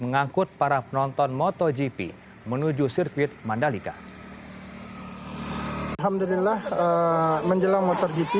mengangkut para penonton motogp menuju sirkuit mandalika alhamdulillah menjelang motogp